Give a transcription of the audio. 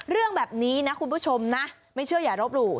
เรื่องแบบนี้นะคุณผู้ชมนะไม่เชื่ออย่ารบหลู่